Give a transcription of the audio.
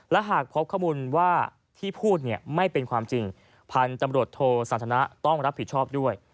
และหากพบข้อมูลว่าที่พูดเนี่ยไม่เป็นความจริงพันธุ์ตำรวจโทสันทนะต้องรับผิดชอบด้วย